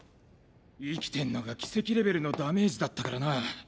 生きてんのが奇跡レベルのダメージだったからな。